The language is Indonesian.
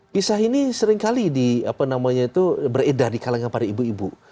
pisah ini seringkali beredar di kalangan para ibu ibu